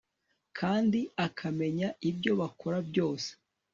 kandi akamenya ibyo bakora byose